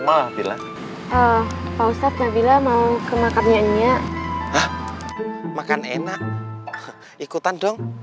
maaf bilang kau setelah bilang mau ke makamnya enyak makan enak ikutan dong